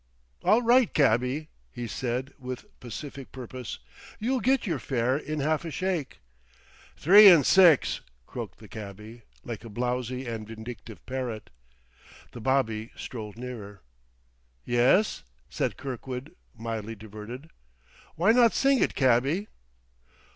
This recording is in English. "All right, cabby," he said, with pacific purpose; "you'll get your fare in half a shake." "Three 'n' six!" croaked the cabby, like a blowsy and vindictive parrot. The bobby strolled nearer. "Yes?" said Kirkwood, mildly diverted. "Why not sing it, cabby?"